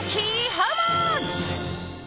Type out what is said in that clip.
ハウマッチ。